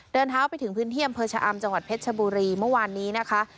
เดินเท้าไปถึงพื้นที่อำเภอชะอำจังหวัดเพชรชบุรีเมื่อวานนี้นะคะ